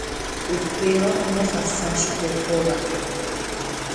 Upéva ombohasa chupe hógape.